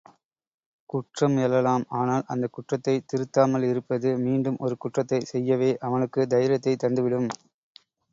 குற்றம் எழலாம் ஆனால், அந்தக் குற்றத்தைத் திருத்தாமல் இருப்பது, மீண்டும் ஒரு குற்றத்தைச் செய்யவே அவனுக்குத் தைரியத்தைத் தந்துவிடும்.